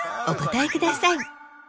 お答えください。